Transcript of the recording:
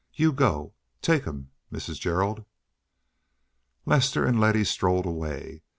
You go. Take him, Mrs. Gerald." Lester and Letty strolled away.